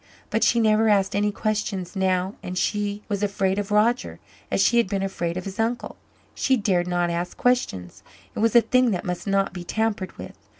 But she never asked any questions now and she was afraid of Roger, as she had been afraid of his uncle. She dared not ask questions. It was a thing that must not be tampered with.